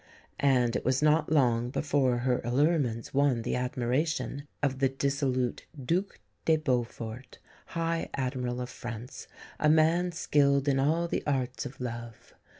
And it was not long before her allurements won the admiration of the dissolute Duc de Beaufort, High Admiral of France, a man skilled in all the arts of love.